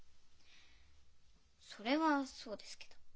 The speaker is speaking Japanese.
それはそうですけど。